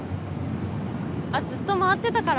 あっずっと回ってたから。